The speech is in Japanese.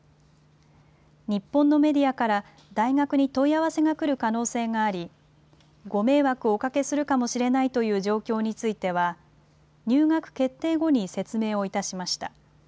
日本のメディアから、大学に問い合わせが来る可能性があり、ご迷惑をおかけするかもしれないという状況については、入学決定後に説明をいたしました。